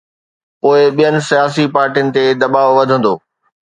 پوءِ ٻين سياسي پارٽين تي دٻاءُ وڌندو.